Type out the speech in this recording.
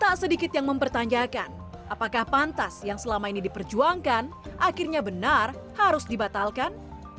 tak sedikit yang mempertanyakan apakah pantas yang selama ini diperjuangkan akhirnya benar harus dibatalkan